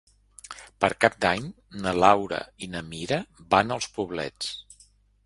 Per Cap d'Any na Laura i na Mira van als Poblets.